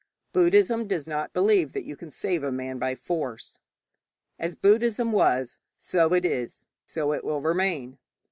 Buddhism does not believe that you can save a man by force. As Buddhism was, so it is, so it will remain.